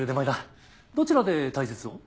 どちらで体術を？